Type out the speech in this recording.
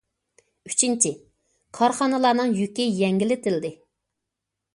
ئۈچىنچى، كارخانىلارنىڭ يۈكى يەڭگىللىتىلدى.